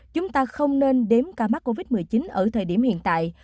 chúng ta không nên đếm ca mắc covid một mươi chín ở thời điểm hiện tại